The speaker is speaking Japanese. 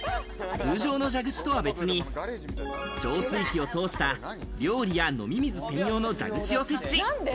通常の蛇口とは別に浄水器を通した、料理や飲み水専用の蛇口を設置。